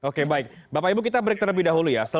oke baik bapak ibu kita break terlebih dahulu ya